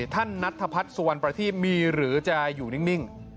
ท่านนัทภัทรสุวรรณประทิมีหรือจะอยู่นิ่ง